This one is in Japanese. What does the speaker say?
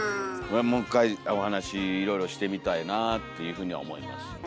もう一回お話しいろいろしてみたいなっていうふうには思いますよね。